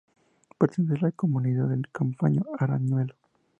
Pertenece a la mancomunidad del Campo Arañuelo.